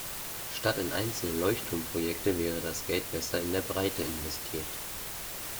Statt in einzelne Leuchtturmprojekte wäre das Geld besser in der Breite investiert.